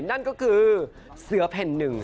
นั่นก็คือเสือแผ่นหนึ่ง